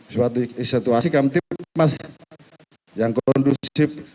suatu situasi kem tipmas yang kondusif